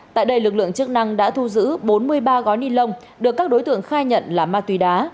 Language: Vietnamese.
tại đây lực lượng chức năng đã thu giữ bốn mươi ba gói ni lông được các đối tượng khai nhận là ma túy đá